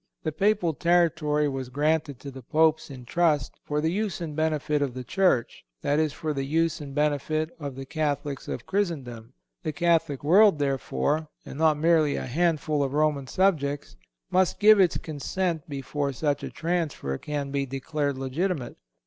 The Papal territory was granted to the Popes in trust, for the use and benefit of the Church—that is, for the use and benefit of the Catholics of Christendom. The Catholic world, therefore, and not merely a handful of Roman subjects, must give its consent before such a transfer can be declared legitimate.